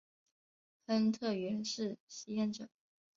亨特原是吸烟者。